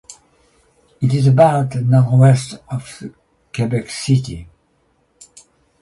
It is about northwest of Quebec City.